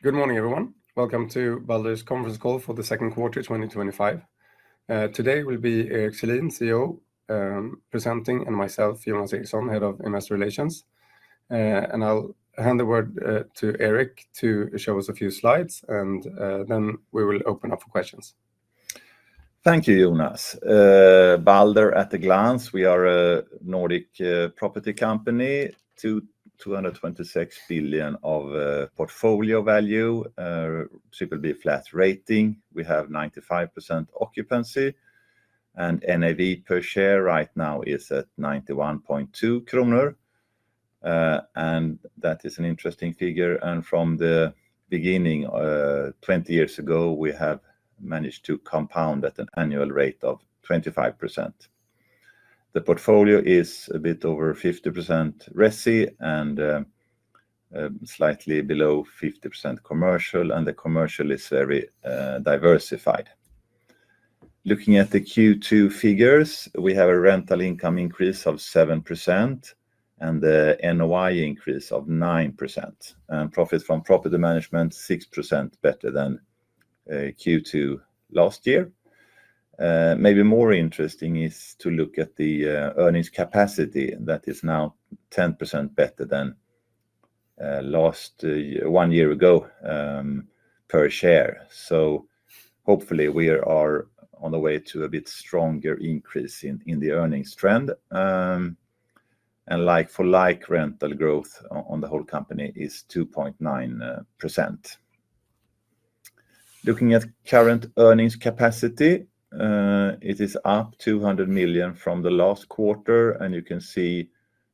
Good morning, everyone. Welcome to Baldur's conference call for the second quarter twenty twenty five. Today will be Eric Selin, CEO, presenting and myself, Johan Sikhsson, Head of Investor Relations. And I'll hand the word, to Eric to show us a few slides, and then we will open up for questions. Thank you, Jonas. Balder at a glance, we are a Nordic property company, 2 SEK $226,000,000,000 of portfolio value, simply flat rating. We have 95% occupancy and NAV per share right now is at 91.2 kronor. And that is an interesting figure. And from the beginning twenty years ago, we have managed to compound at an annual rate of 25%. The portfolio is a bit over 50% resi and slightly below 50% commercial, and the commercial is very diversified. Looking at the Q2 figures, we have a rental income increase of 7% and the NOI increase of 9%. And profits from property management, 6% better than Q2 last year. Maybe more interesting is to look at the earnings capacity that is now 10% better than last one year ago per share. So hopefully, we are the way to a bit stronger increase in in the earnings trend. And like for like rental growth on the whole company is 2.9%. Looking at current earnings capacity, it is up 200,000,000 from the last quarter, and you can see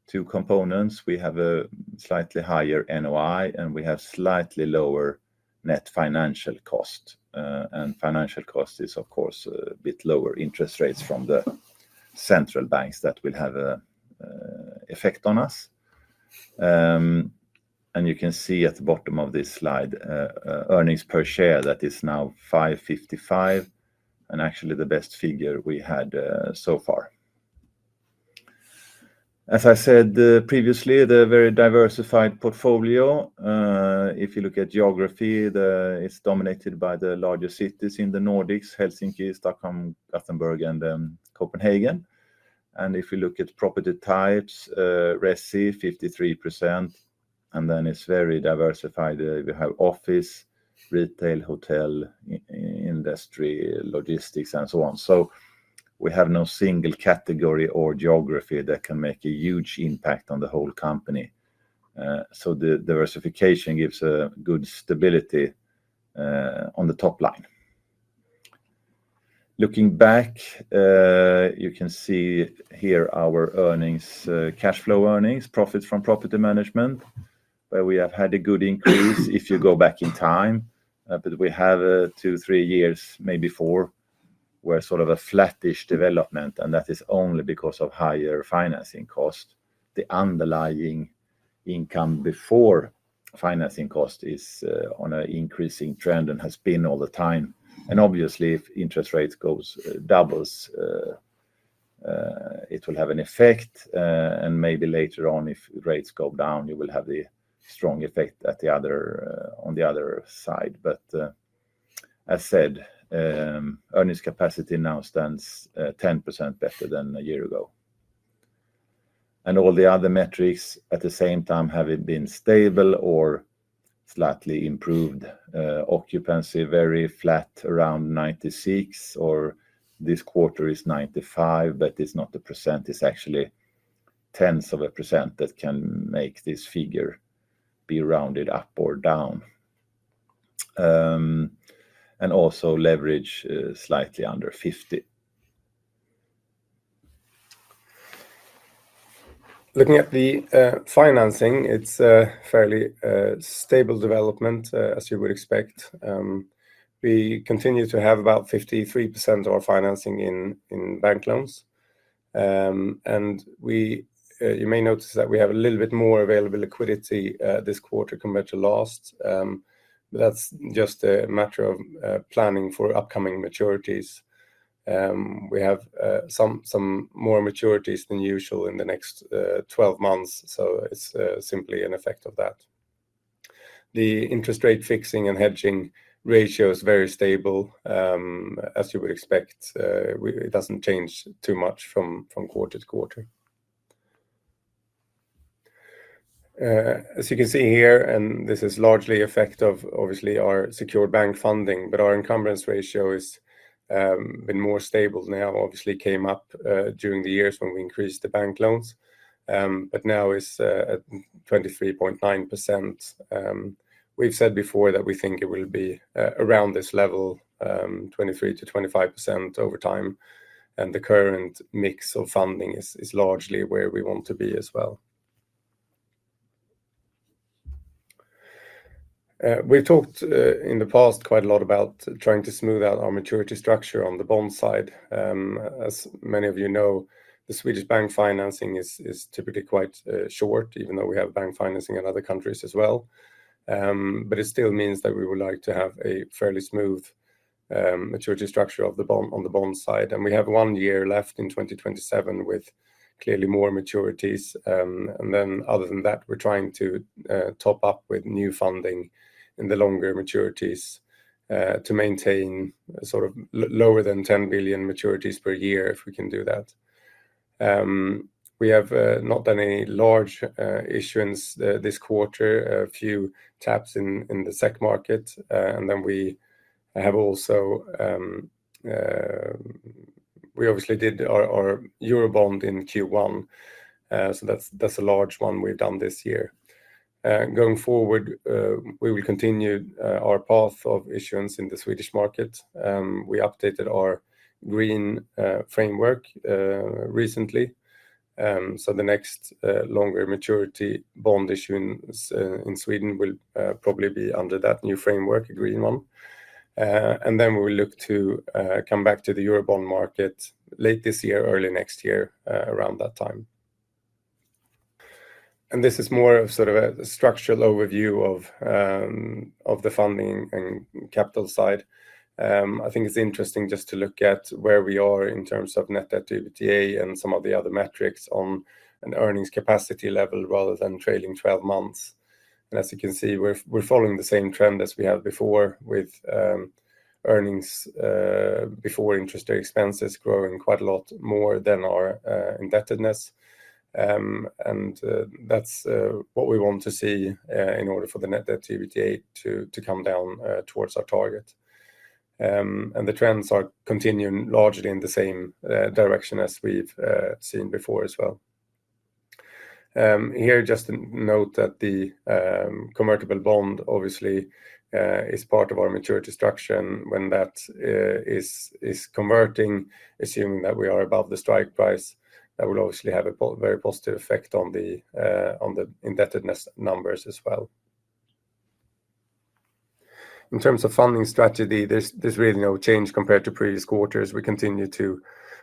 two components. We have a slightly higher NOI, and we have slightly lower net financial cost. And financial cost is, of course, a bit lower interest rates from the central banks that will have effect on us. And you can see at the bottom of this slide earnings per share that is now $5.55 and actually the best figure we had so far. As I said previously, the very diversified portfolio, if you look at geography, it's dominated by the largest cities in The Nordics, Helsinki, Stockholm, Gothenburg and Copenhagen. And if we look at property types, resi, 53%, and then it's very diversified. We have office, retail, hotel, industry, logistics, and so on. So we have no single category or geography that can make a huge impact on the whole company. So the diversification gives a good stability on the top line. Looking back, you can see here our earnings cash flow earnings, profits from property management, where we have had a good increase if you go back in time, but we have two, three years, maybe four, where sort of a flattish development and that is only because of higher financing cost. The underlying income before financing cost is on an increasing trend and has been all the time. And obviously, if interest rates goes doubles, it will have an effect. And maybe later on, if rates go down, you will have the strong effect at the other on the other side. But as said, earnings capacity now stands 10% better than a year ago. And all the other metrics at the same time have it been stable or slightly improved occupancy, very flat around 96 or this quarter is 95, but it's not the percent. It's actually tens of a percent that can make this figure be rounded up or down and also leverage slightly under 50. Looking at the financing, it's a fairly stable development as you would expect. We continue to have about 53% of our financing in in bank loans. And we you may notice that we have a little bit more available liquidity this quarter compared to last, but that's just a matter of planning for upcoming maturities. We have some more maturities than usual in the next twelve months, so it's simply an effect of that. The interest rate fixing and hedging ratio is very stable. As you would expect, We it doesn't change too much from from quarter to quarter. As you can see here, and this is largely effect of, obviously, our secured bank funding, but our encumbrance ratio has been more stable now. Obviously, it came up during the years when we increased the bank loans, but now it's at 23.9%. We've said before that we think it will be around this level, 23 to 25% over time, and the current mix of funding is is largely where we want to be as well. We've talked in the past quite a lot about trying to smooth out our maturity structure on the bond side. As many of you know, the Swedish bank financing is is typically quite short even though we have bank financing in other countries as well. But it still means that we would like to have a fairly smooth maturity structure of the bond on the bond side. And we have one year left in 2027 with clearly more maturities. And then other than that, we're trying to top up with new funding in the longer maturities to maintain sort of lower than 10,000,000,000 maturities per year if we can do that. We have not any large issuance this quarter, a few taps in in the SEC market. And then we have also we obviously did our our Eurobond in q one. So that's that's a large one we've done this year. Going forward, we will continue our path of issuance in the Swedish market. We updated our green framework recently. So the next longer maturity bond issuance in Sweden will probably be under that new framework, a green one. And then we will look to come back to the Eurobond market late this year, early next year, around that time. And this is more of sort of a structural overview of of the funding and capital side. I think it's interesting just to look at where we are in terms of net debt to EBITDA and some of the other metrics on an earnings capacity level rather than trailing twelve months. And as you can see, we're we're following the same trend as we have before with earnings before interest expenses growing quite a lot more than our indebtedness. And that's what we want to see in order for the net debt to EBITDA to to come down towards our target. And the trends are continuing largely in the same direction as we've seen before as well. Here, just to note that the convertible bond, obviously, is part of our maturity structure. That is is converting, assuming that we are above the strike price, that will obviously have a very positive effect on the on the indebtedness numbers as well. In terms of funding strategy, there's there's really no change compared to previous quarters. We continue to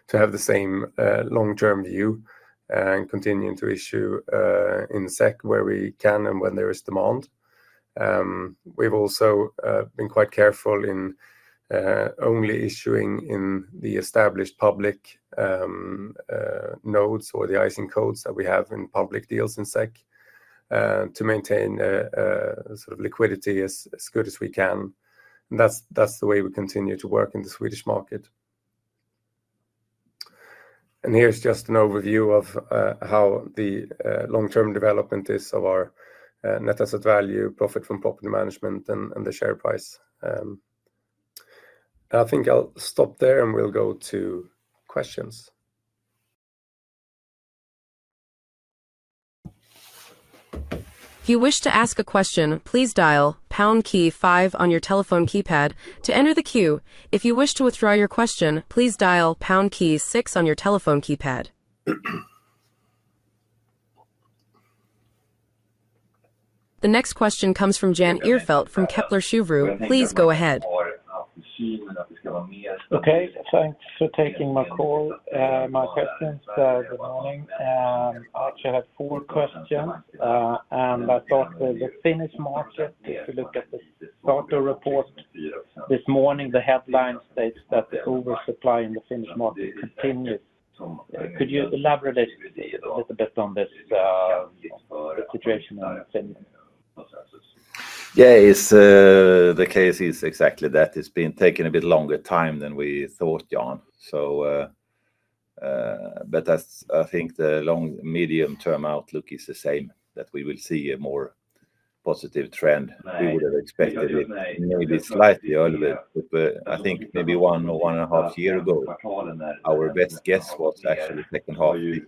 to have the same long term view and continuing to issue in sec where we can and when there is demand. We've also been quite careful in only issuing in the established public nodes or the icing codes that we have in public deals in SEC to maintain a sort of liquidity as as good as we can. And that's that's the way we continue to work in the Swedish market. And here's just an overview of how the long term development is of our net asset value, profit from property management and the share price. I think I'll stop there, and we'll go to questions. The next question comes from Jan Ehrfeldt from Kepler Cheuvreux. Please go ahead. Okay. Thanks for taking my call my questions. Morning. I actually have four questions. And I thought the Finnish market, if you look at the charter report this morning, the headline states that the oversupply in the Finnish market continues. Could you elaborate a little bit on this situation on Finnish? Yes. It's the case is exactly that. It's been taking a bit longer time than we thought, Jan. So but that's I think the long medium term outlook is the same that we will see a more positive trend. We would have expected it maybe slightly earlier, but I think maybe one or one and a half year ago, our best guess was actually second half year.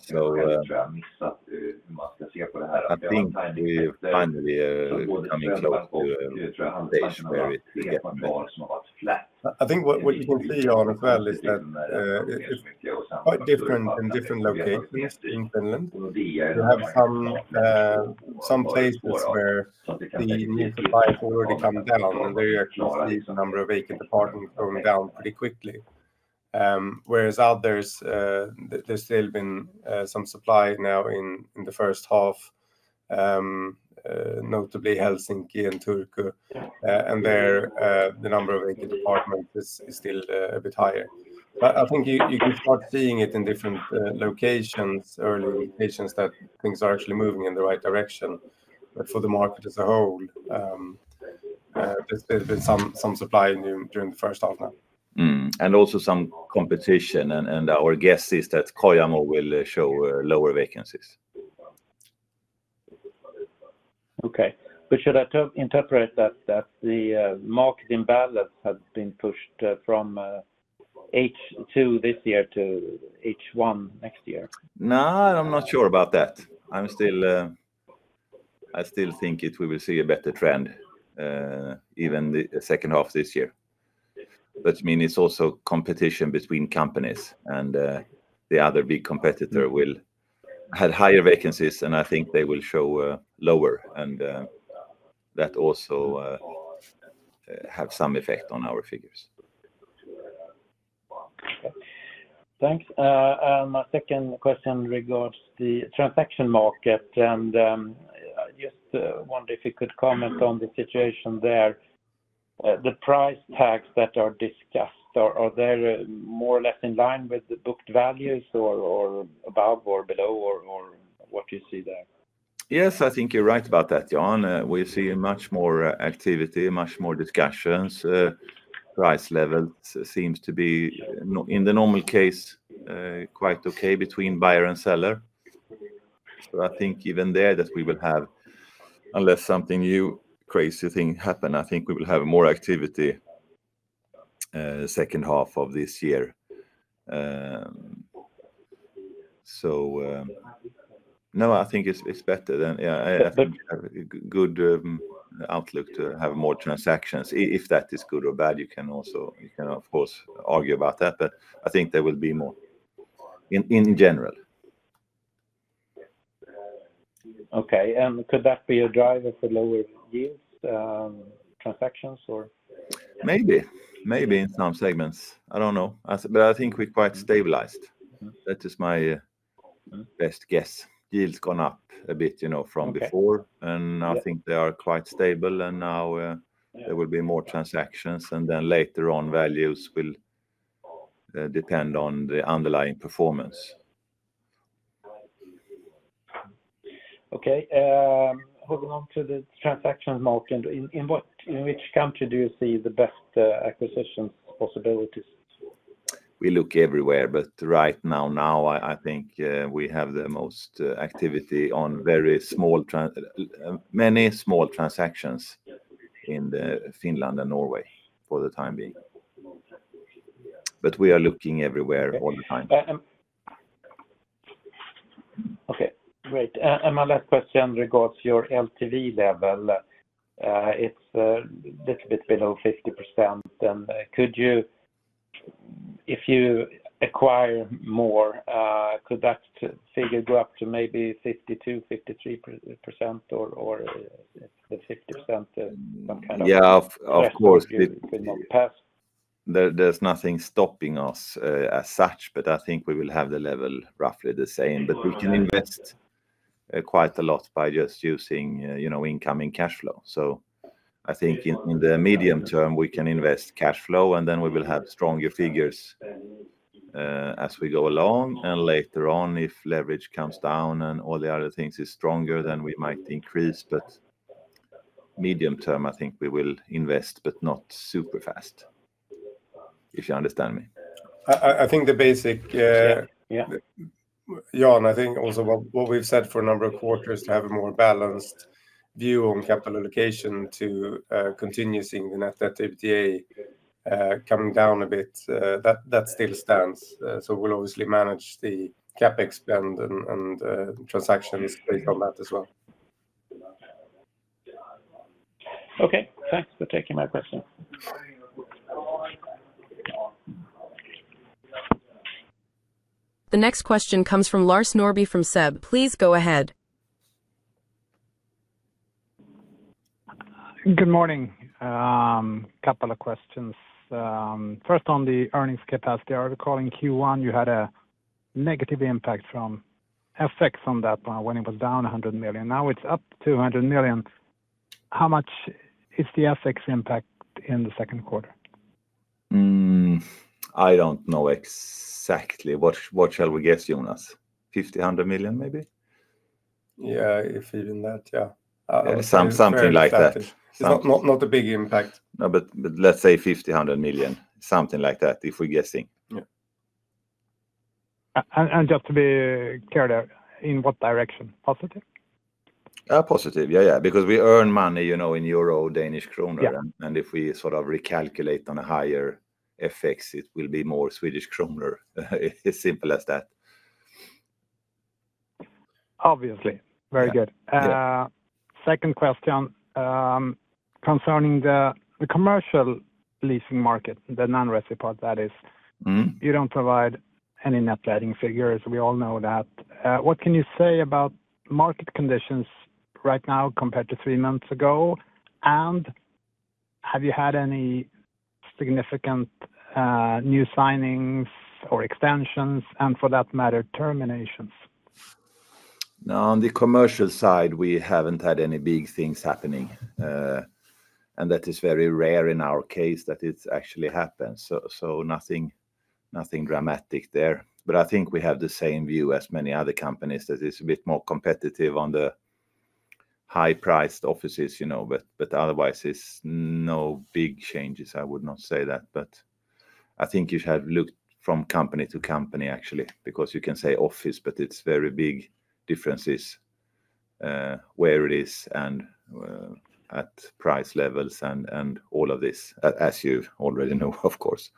So I think we've finally coming close to a foundation where we we get better. I think what what you will see on a fairly thin it is quite different in different locations in Finland. You have some some places where the new supply has already come down, and there you actually see the number of vacant apartments coming down pretty quickly. Whereas out there's there's still been some supply now in in the first half, notably Helsinki and Turku. And there, the number of vacant department is is still a bit higher. I think you you can start seeing it in different locations or locations that things are actually moving in the right direction. But for the market as a whole, there's there's been some some supply during during the first half now. And also some competition. And our guess is that Koyamo will show lower vacancies. Okay. But should I interpret that the market imbalance has been pushed from h two this year to h one next year? No. I'm not sure about that. I'm still I still think it we will see a better trend even the second half this year. That means it's also competition between companies. And the other big competitor will have higher vacancies, and I think they will show lower, and that also have some effect on our figures. Thanks. And my second question regards the transaction market. And I just wonder if you could comment on the situation there. The price tags that are discussed, are they more or less in line with the booked values or above or below or what you see there? Yes, I think you're right about that, Jan. We see much more activity, much more discussions. Price level seems to be, in the normal case, quite okay between buyer and seller. But I think even there that we will have unless something new crazy thing happen, I think we will have more activity second half of this year. So no. I think it's it's better than yeah. I think have a good outlook to have more transactions. If that is good or bad, you can also you can, of course, argue about that. But I think there will be more in in general. Okay. And could that be a driver for lower yield transactions? Or Maybe. Maybe in some segments. I don't know. But I think we're quite stabilized. That is my best guess. Yields gone up a bit, you know, from before, and I think they are quite stable. And now there will be more transactions. And then later on, values will depend on the underlying performance. Okay. Moving on to the transaction market. In what in which country do you see the best acquisition possibilities? We look everywhere. But right now, I think we have the most activity on very small many small transactions in Finland and Norway for the time being. But we are looking everywhere all the time. Okay. Great. And my last question regards your LTV level. It's little bit below 50%. And could you if you acquire more, could that figure go up to maybe 52%, 53% or the 50%, some kind of Yes. Of course. There's nothing stopping us as such, but I think we will have the level roughly the same. But we can invest quite a lot by just using incoming cash flow. So I think in the medium term, we can invest cash flow, and then we will have stronger figures as we go along. And later on, if leverage comes down and all the other things is stronger, then we might increase. But medium term, I think we will invest, but not super fast, if you understand me. I think the basic Jan, I think also what we've said for a number of quarters to have a more balanced view on capital allocation to continue seeing the net debt to EBITDA coming down a bit, still stands. So we'll obviously manage the CapEx spend and transactions based on that as well. Okay. Thanks for taking my question. The next question comes from Lars Norby from SEB. Please go ahead. Good morning. A couple of questions. First, on the earnings capacity. I recall in Q1, you had a negative impact from FX on that when it was down 100,000,000. Now it's up 200,000,000. How much is the FX impact in the second quarter? I don't know exactly. What what shall we guess, Jonas? $50,100,000,000 maybe? Yeah. If even that. Yeah. Some something like that. Not not not a big impact. No. But but let's say $50,100,000,000, something like that if we're guessing. Yeah. And and just to be clear there, in what direction? Positive? Positive. Yeah. Yeah. Because we earn money, you know, in euro, Danish kroner. And and if we sort of recalculate on a higher FX, it will be more Swedish kroner. It's simple as that. Obviously. Very good. Second question concerning the commercial leasing market, the nonrecipient that is. You don't provide any net guiding figures. We all know that. What can you say about market conditions right now compared to three months ago? And have you had any significant new signings or extensions and for that matter terminations? No. On the commercial side, we haven't had any big things happening. And that is very rare in our case that it's actually happened. So so nothing nothing dramatic there. But I think we have the same view as many other companies that is a bit more competitive on the high priced offices, you know, but but otherwise, it's no big changes. I would not say that. But I think you have looked from company to company actually because you can say office, but it's very big differences where it is and at price levels and and all of this as you already know, of course.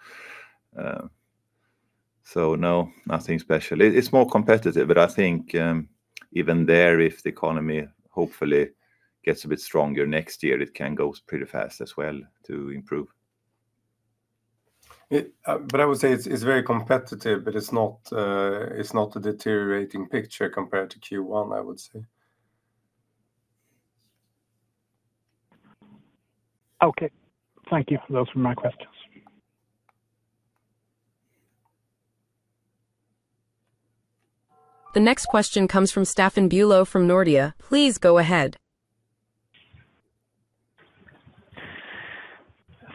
So, no, nothing special. It's more competitive, but I think even there, if the economy hopefully gets a bit stronger next year, it can go pretty fast as well to improve. But I would say it's it's very competitive, but it's not it's not a deteriorating picture compared to Q1, I would say. The next question comes from Stefan Bulow from Nordea. Please go ahead.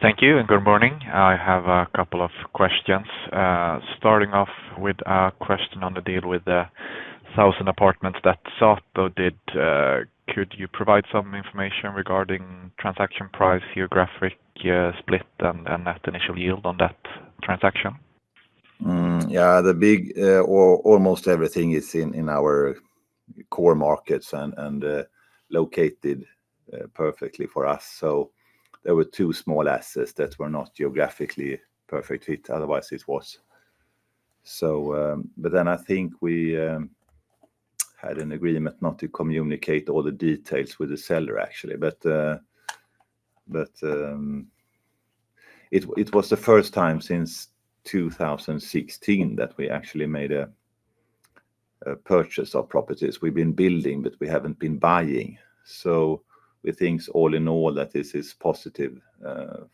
Thank you and good morning. I have a couple of questions. Starting off with a question on the deal with the 1,000 apartments that Sato did. Could you provide some information regarding transaction price, geographic split and net initial yield on that transaction? Yes. The big almost everything is in our core markets and located perfectly for us. So there were two small assets that were not geographically perfect fit, otherwise it was. So but then I think we had an agreement not to communicate all the details with the seller, actually. But but it it was the first time since 2016 that we actually made a purchase of properties. We've been building, but we haven't been buying. So we think all in all that this is positive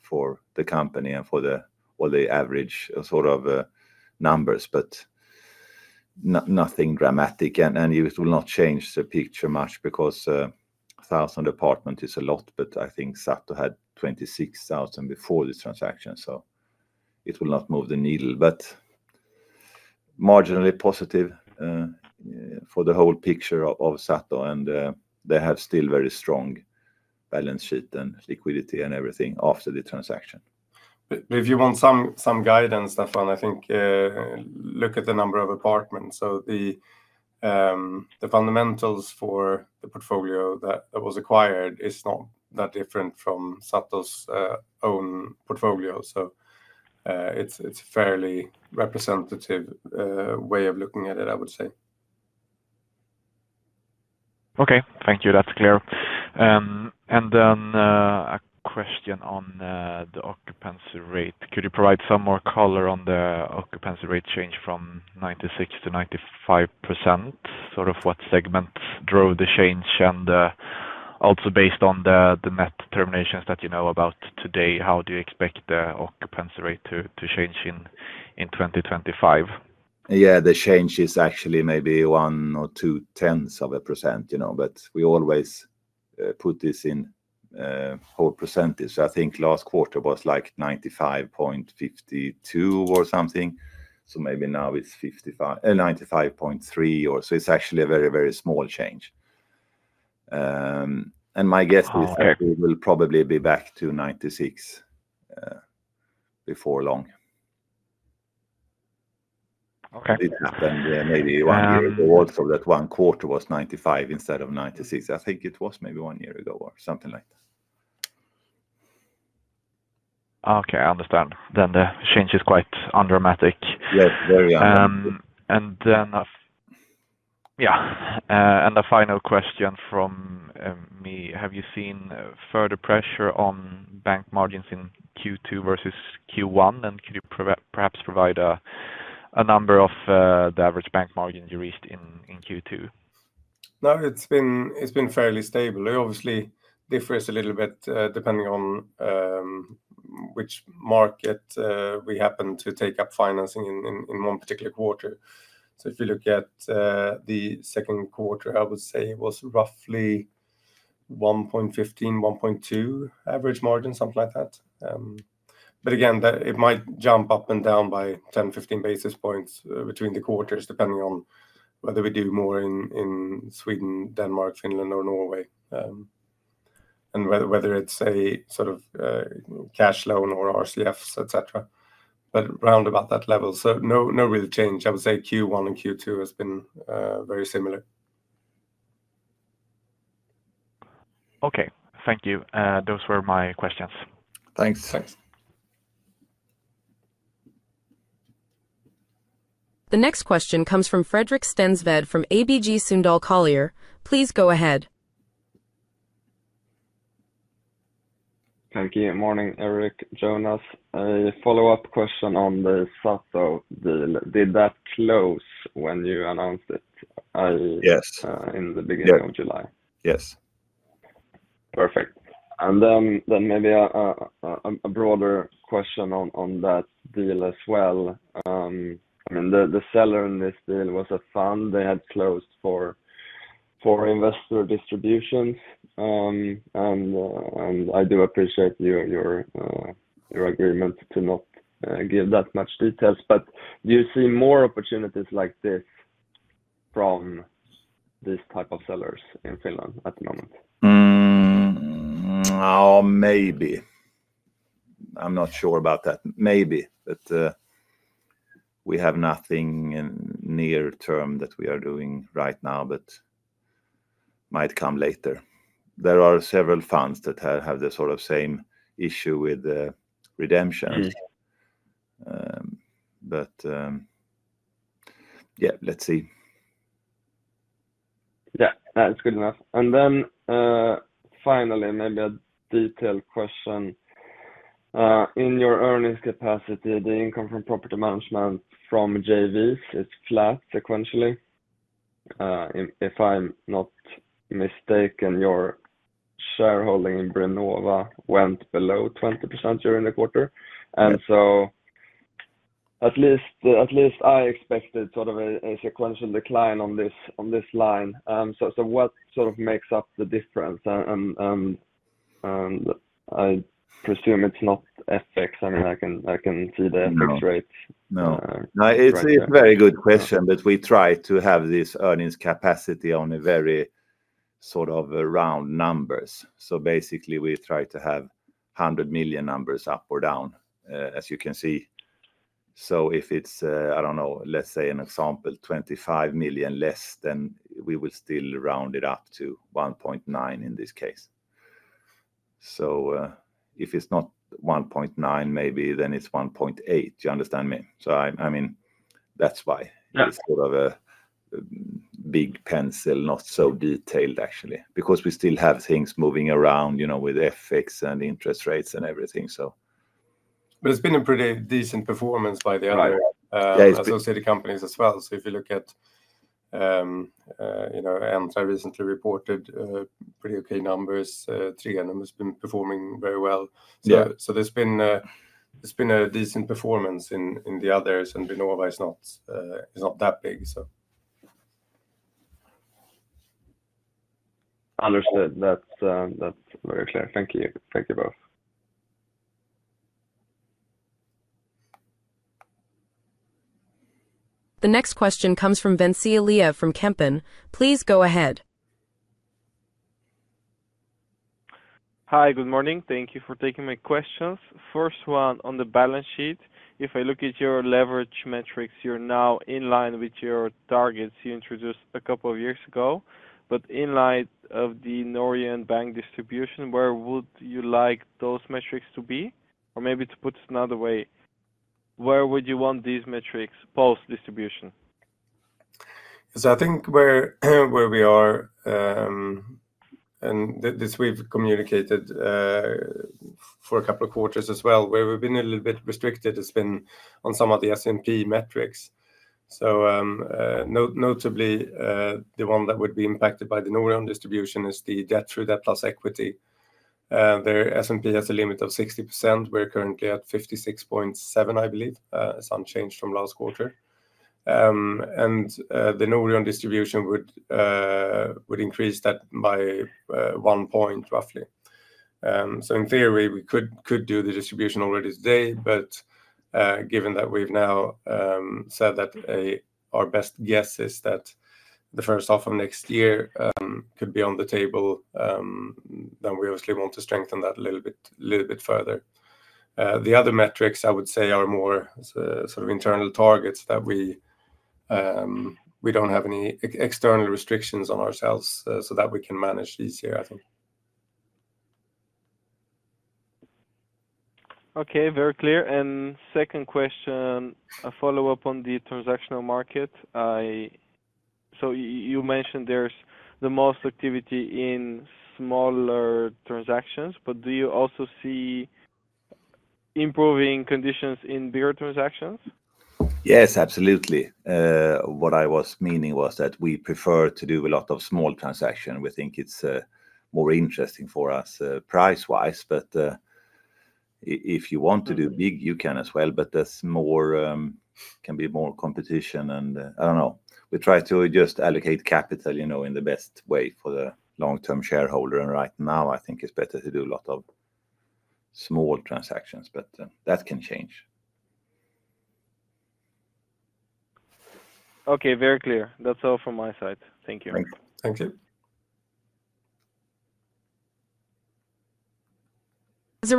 for the company and for the or the average sort of numbers, but nothing dramatic. And and it will not change the picture much because a thousand apartment is a lot, but I think Sato had 26,000 before this transaction. So it will not move the needle. But marginally positive for the whole picture of of Sato, and they have still very strong balance sheet and liquidity and everything after the transaction. But if you want some some guidance, Stefan, I think look at the number of apartments. So the the fundamentals for the portfolio that that was acquired is not that different from Sato's own portfolio. So it's it's fairly representative way of looking at it, I would say. Okay. Thank you. That's clear. Then a question on the occupancy rate. Could you provide some more color on the occupancy rate change from 96% to 95%? Sort of what segments drove the change? And also based on the net determinations that you know about today, how do you expect the occupancy rate to change in 2025? Yes. The change is actually maybe 1% or 2%, but we always put this in whole percentage. So I think last quarter was like 95.52 or something. So maybe now it's fifty five ninety five point three or so. It's actually a very, very small change. And my guess is that we will probably be back to 96 before long. Okay. It happened maybe one year ago also that one quarter was 95 instead of 96. I think it was maybe one year ago or something like that. Okay. I understand. Then the change is quite undramatic. Yes. Very undramatic. And then yes, and a final question from me. Have you seen further pressure on bank margins in Q2 versus Q1? And could you perhaps provide a number of the average bank margins you reached in Q2? No, it's been fairly stable. It obviously differs a little bit depending on which market we happen to take up financing in one particular quarter. So if you look at the second quarter, I would say it was roughly 1.15, 1.2 average margin, something like that. But again, that it might jump up and down by ten, fifteen basis points between the quarters depending on whether we do more in in Sweden, Denmark, Finland, Norway and whether whether it's a sort of cash loan or RCFs, etcetera, but round about that level. So no no real change. I would say q one and q two has been very similar. The next question comes from Fredrik Stenzved from ABG Sundal Collier. Erik Jonas, A follow-up question on the Sato deal. Did that close when you announced it in the beginning Yes. Of Perfect. And then maybe a broader question on that deal as well. I mean the seller in this deal was a fund they had closed for investor distributions. And I do appreciate your your agreement to not give that much details. But do you see more opportunities like this from this type of sellers in Finland at the moment? Maybe. I'm not sure about that. Maybe. But we have nothing in near term that we are doing right now, but might come later. There are several funds that have have the sort of same issue with the redemptions. But, yeah, let's see. Yeah. That's good enough. And then finally, maybe a detailed question. In your earnings capacity, the income from property management from JVs is flat sequentially. If I'm not mistaken, your shareholding in Brinnova went below 20% during the quarter. And so at least I expected sort of a sequential decline on this line. So what sort of makes up the difference? I presume it's not FX. I mean, I can I can see the FX No? No. It's a very good question, but we try to have this earnings capacity on a very sort of round numbers. So basically, we try to have 100,000,000 numbers up or down as you can see. So if it's, I don't know, let's say, an example, 25,000,000 less than we will still round it up to 1.9 in this case. So if it's not 1.9, maybe then it's 1.8. Do you understand me? So I I mean, that's why. It's sort of a big pencil, not so detailed, actually, because we still have things moving around, you know, with FX and interest rates and everything. So But it's been a pretty decent performance by the other Yeah. It's those city companies as well. So if you look at, you know, recently reported pretty okay numbers. Has been performing very well. So so there's been there's been a decent performance in in the others, and the Norway is not is not that big. So The next question comes from Vinci Aliyah from Kempen. First one on the balance sheet. If I look at your leverage metrics, you're now in line with your targets you introduced a couple of years ago. But in light of the Norwegian bank distribution, where would you like those metrics to be? Or maybe to put it another way, where would you want these metrics post distribution? So I think where where we are and this we've communicated for a couple of quarters as well where we've been a little bit restricted has been on some of the S and P metrics. So note notably, the one that would be impacted by the Norwegian distribution is the debt through debt plus equity. Their S and P has a limit of 60%. We're currently at 56.7, I believe. It's unchanged from last quarter. And the Norwegian distribution would increase that by one point roughly. So in theory, we could could do the distribution already today. But given that we've now said that a our best guess is that the first half of next year could be on the table, then we obviously want to strengthen that a little bit little bit further. The other metrics, I would say, are more sort of internal targets that we we don't have any external restrictions on ourselves so that we can manage these here, I think. Okay. Very clear. And second question, a follow-up on the transactional market. I so you mentioned there the most activity in smaller transactions, but do you also see improving conditions in bigger transactions? Yes, absolutely. What I was meaning was that we prefer to do a lot of small transaction. We think it's more interesting for us price wise. But if you want to do big, you can as well, but there's more can be more competition. And I don't know. We try to just allocate capital, you know, in the best way for the long term shareholder. And right now, I think it's better to do a lot of small transactions, but that can change. Okay. Very clear. That's all from my side. Thank you. Thank you. Thank you. The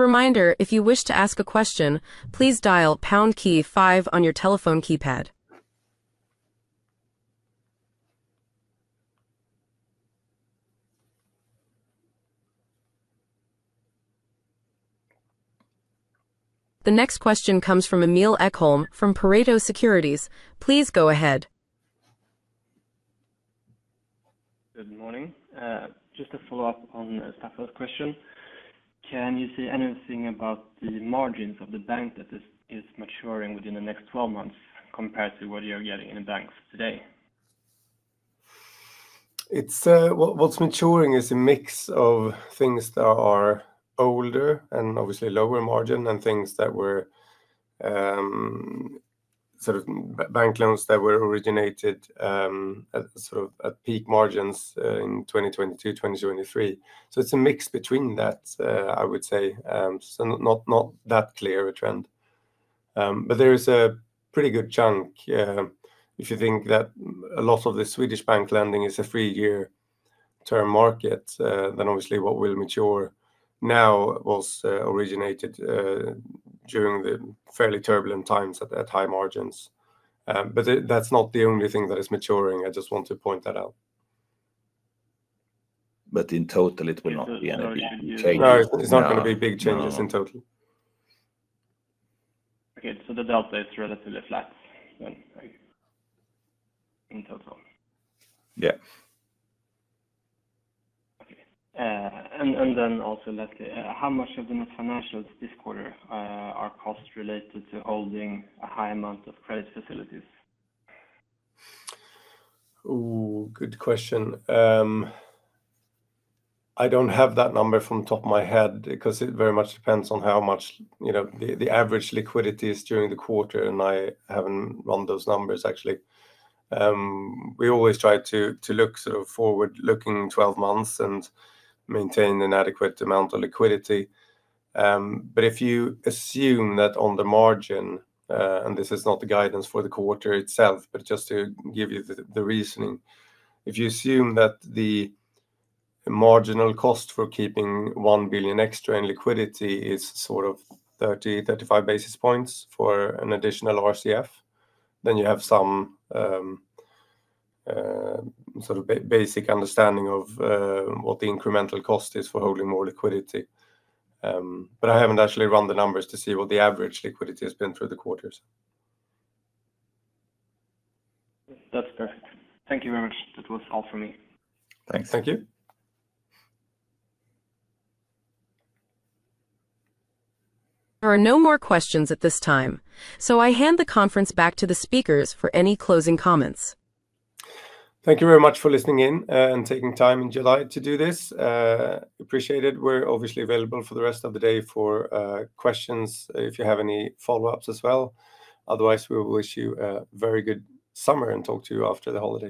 next question comes from Emile Echolm from Pareto Securities. Please go ahead. Good morning. Just a follow-up on Safar's question. Can you say anything about the margins of the bank that is maturing within the next twelve months compared to what you're getting in the banks today? It's what what's maturing is a mix of things that are older and, obviously, lower margin than things that were sort of bank loans that were originated at sort of at peak margins in 2022, 2023. So it's a mix between that, I would say. So not not that clear a trend. But there is a pretty good chunk, yeah, If you think that a lot of the Swedish bank lending is a three year term market, then, obviously, what will mature now was originated during the fairly turbulent times at at high margins. But that's not the only thing that is maturing. I just want to point that out. But in total, it will not be any change. No. It's not gonna be big changes in total. Okay. So the delta is relatively flat in total. Yes. Okay. And then also, Leslie, how much of the net financials this quarter are costs related to holding a high amount of credit facilities? Good question. I don't have that number from top of my head because it very much depends on how much you know, the average liquidity is during the quarter, and I haven't run those numbers actually. We always try to to look sort of forward looking twelve months and maintain an adequate amount of liquidity. But if you assume that on the margin, and this is not the guidance for the quarter itself, but just to give you the reasoning. If you assume that the marginal cost for keeping 1,000,000,000 extra in liquidity is sort of thirty, thirty five basis points for an additional RCF. Then you have some sort of basic understanding of what the incremental cost is for holding more liquidity. But I haven't actually run the numbers to see what the average liquidity has been through the quarters. That's perfect. Thank you very much. That was all for me. Thanks. Thank you. There are no more questions at this time. So I hand the conference back to the speakers for any closing comments. Thank you very much for listening in and taking time in July to do this. Appreciate it. We're obviously available for the rest of the day for questions if you have any follow ups as well. Otherwise, we will wish you a very good summer and talk to you after the holidays.